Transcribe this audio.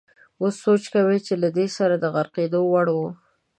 اوس سوچ کوم چې له ده سره د غرقېدو وړ وو.